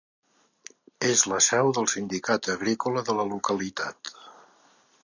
És la seu del sindicat agrícola de la localitat.